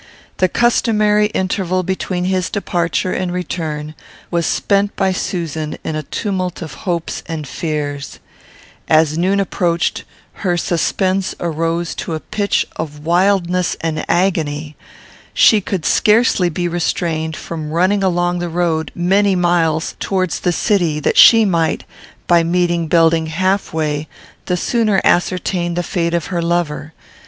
The customary interval between his departure and return was spent by Susan in a tumult of hopes and fears. As noon approached, her suspense arose to a pitch of wildness and agony. She could scarcely be restrained from running along the road, many miles, towards the city; that she might, by meeting Belding half way, the sooner ascertain the fate of her lover.